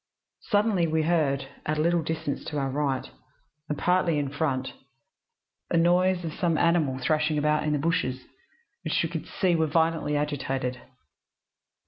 Suddenly, we heard, at a little distance to our right, and partly in front, a noise as of some animal thrashing about in the bushes, which we could see were violently agitated.